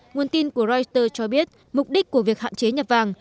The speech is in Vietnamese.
nguồn tin của reuters cho biết mục đích của việc hạn chế nhập vàng